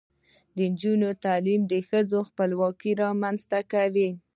د نجونو تعلیم د ښځو خپلواکۍ رامنځته کوي.